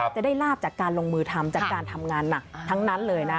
จะได้ลาบจากการลงมือทำจากการทำงานหนักทั้งนั้นเลยนะ